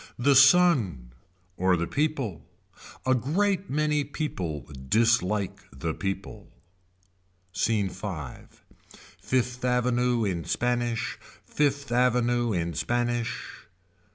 The sun. Or the people. A great many people dislike the people. Scene V. Fifth Avenue in Spanish. Fifth Avenue in Spanish.